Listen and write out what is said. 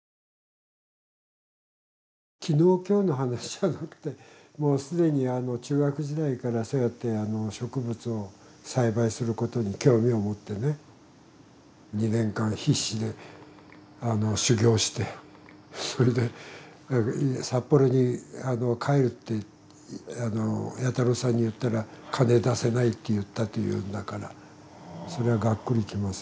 昨日今日の話じゃなくてもう既に中学時代からそうやって植物を栽培することに興味を持ってね２年間必死で修業してそれで札幌に帰るって弥太郎さんに言ったら「金出せない」って言ったというんだからそれはがっくりきますよね。